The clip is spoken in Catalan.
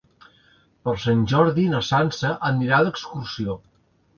Per Sant Jordi na Sança anirà d'excursió.